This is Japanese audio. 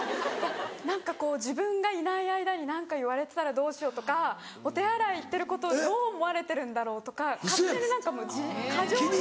何かこう自分がいない間に何か言われてたらどうしようとかお手洗い行ってることをどう思われてるんだろうとか勝手に何かもう過剰に。